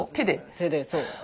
手でそう。